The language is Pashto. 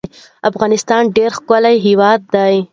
افغانستان ډیر ښکلی هیواد ده